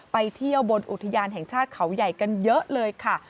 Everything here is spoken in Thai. ไปเที่ยวบนอุทยานแห่งชาติเขาใหญ่กันเยอะเลยค่ะ